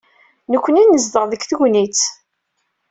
Nekkni nezdeɣ deg Tegnit.